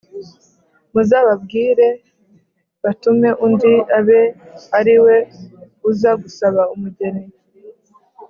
muzababwire batume undi abe ariwe uza gusaba umugeni“